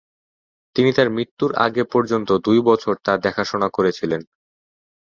তিনি তার মৃত্যুর আগে পর্যন্ত দুই বছর তার দেখাশোনা করেছিলেন।